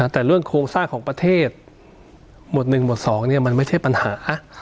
แต่เรื่องโครงสร้างของประเทศหมวด๑หมวด๒มันไม่ใช่ปัญหา